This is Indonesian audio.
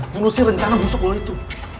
menelusi rencana busuk lo itu